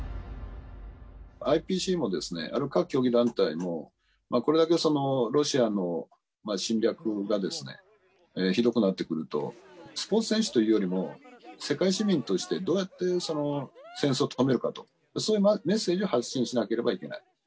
ＩＰＣも、各競技団体も、これだけロシアの侵略がひどくなってくると、スポーツ選手というよりも、世界市民としてどうやって戦争を止めるかと、そういうメッセージを発信しなければいけない。